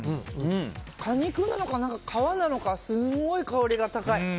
果肉なのか、皮なのかすごい香り高い。